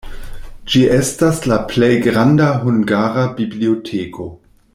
Ĝi estas la plej granda hungara biblioteko.